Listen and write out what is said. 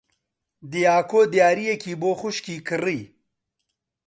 دیاکۆ دیارییەکی بۆ خوشکی کڕی.